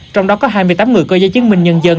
trong đó có hai mươi tám người có giấy chứng minh nhân dân